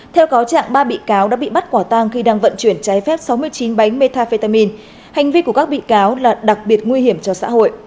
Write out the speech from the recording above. theo cáo trạng ba bị cáo đã bị bắt quả tang khi đang vận chuyển trái phép sáu mươi chín bánh metafetamin hành vi của các bị cáo là đặc biệt nguy hiểm cho xã hội